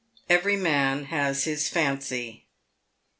EVERY MAN HAS HIS FANCY.